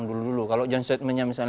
itu kita tunggu kapan